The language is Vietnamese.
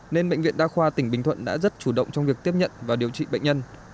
nên bệnh viện đa khoa tỉnh bình thuận đã rất chủ động trong việc tiếp nhận và điều trị bệnh nhân